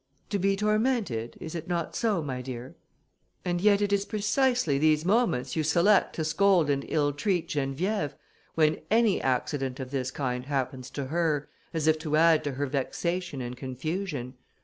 "To be tormented; is it not so, my dear? And yet it is precisely these moments you select to scold and ill treat Geneviève, when any accident of this kind happens to her, as if to add to her vexation and confusion."